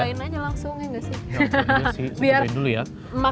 cobain aja langsung ya gak sih